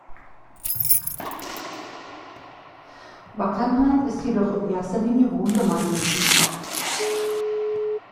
Wackernheim ist jedoch in erster Linie Wohngemeinde geblieben.